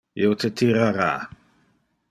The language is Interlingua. Io te tirara.